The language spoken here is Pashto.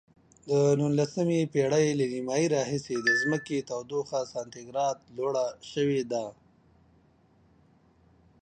د نولسمې پیړۍ له نیمایي راهیسې د ځمکې تودوخه سانتي ګراد لوړه شوې ده.